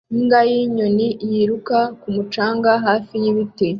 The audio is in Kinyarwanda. Imbwa y'inyoni yiruka ku mucanga hafi y'ibiti